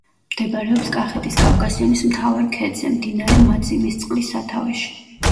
მდებარეობს კახეთის კავკასიონის მთავარ ქედზე, მდინარე მაწიმისწყლის სათავეში.